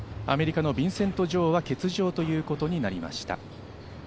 アメリカのビンセント・ジョウは欠場ということになりました。